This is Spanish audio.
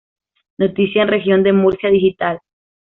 Noticia en Región de Murcia digital.